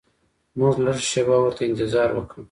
موږ لږه شیبه ورته انتظار وکړ.